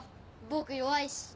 僕弱いし。